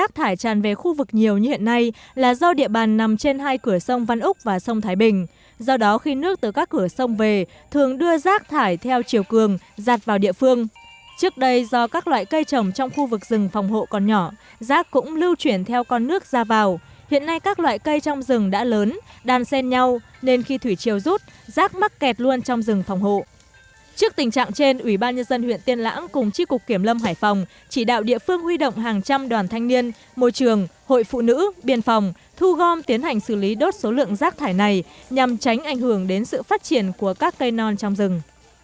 trước tình trạng trên ubnd huyện tiên lãng cùng tri cục kiểm lâm hải phòng chỉ đạo địa phương huy động hàng trăm đoàn thanh niên môi trường hội phụ nữ biên phòng thu gom tiến hành xử lý đốt số lượng rác thải này nhằm tránh ảnh hưởng đến sự phát triển của các cây non trong rừng